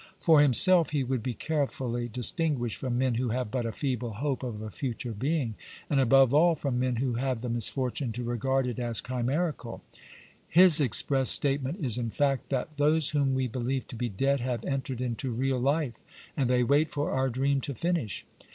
^ For himself he would be care fully distinguished from men who have but a feeble hope of a future being, and above all, from men who have the misfortune to regard it as chimerical.^ His express state ment is in fact that " those whom we believe to be dead, have entered into real life, and they wait for our dream to finish."